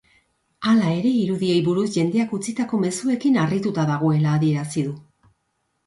Hala ere, irudiei buruz jendeak utzitako mezuekin harrituta dagoela adierazi du.